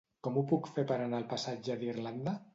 Com ho puc fer per anar al passatge d'Irlanda?